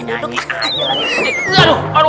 aduh aduh aduh aduh